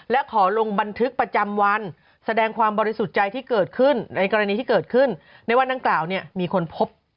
และขอลงบันทึกประจำวันแสดงความบริสุทธิ์ใจที่เกิดขึ้นในกรณีที่เกิดขึ้นในวันนั้นกล่าวเนี่ยมีคนพบ